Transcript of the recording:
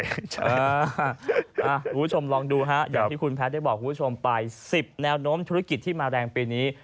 คุณผู้ชมลองดูฮะอย่างที่คุณแพทย์ได้บอกคุณผู้ชมไป๑๐แนวโน้มธุรกิจที่มาแรงปีนี้